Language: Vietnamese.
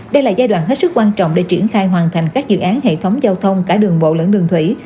đây là giai đoạn hết sức quan trọng để triển khai hoàn thành các dự án hệ thống giao thông cả đường bộ lẫn đường thủy